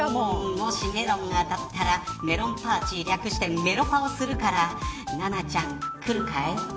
もしメロンが当たったらメロンパーティー略してメロパをするから七菜ちゃん、来るかい。